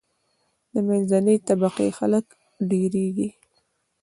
د منځنۍ طبقی خلک ډیریږي.